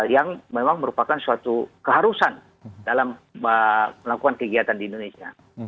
yang memang merupakan suatu keharusan dalam melakukan kegiatan di indonesia